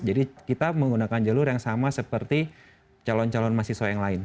jadi kita menggunakan jalur yang sama seperti calon calon mahasiswa yang lain